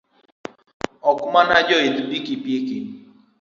Ok mana joidh pikipiki